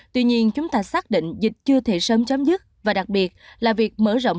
tuy nhiên chúng ta xác định dịch chưa thể sớm chấm dứt và đặc biệt là việc mở rộng